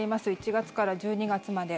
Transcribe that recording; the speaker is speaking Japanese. １月から１２月まで。